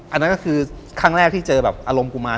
อันนั้นก็คือครั้งแรกที่เจอแบบอารมณ์กุมาร